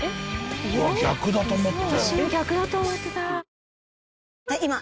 うわ逆だと思ってた。